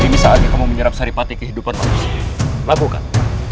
ini saatnya kamu menyerap seripati kehidupan lakukan